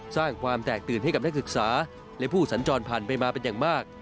สร้างความแตกตื่นให้กับนักศึกษาและผู้สัญจรผ่านไปมาเป็นอย่างมาก